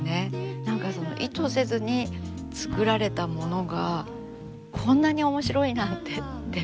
何か意図せずに作られたものがこんなに面白いなんてって。